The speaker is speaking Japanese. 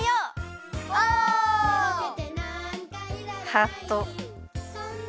ハート。